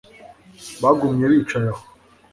Bagumye bicaye aho